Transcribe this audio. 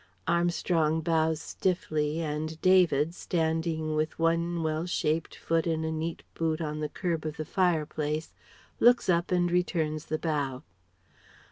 Armstrong bows stiffly and David, standing with one well shaped foot in a neat boot on the curb of the fireplace, looks up and returns the bow.